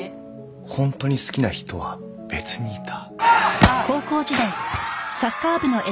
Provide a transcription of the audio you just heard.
本当に好きな人は別にいた？